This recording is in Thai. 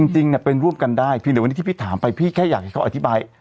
จริงเป็นร่วมกันได้เพียงแต่วันนี้ที่พี่ถามไปพี่แค่อยากให้เขาอธิบาย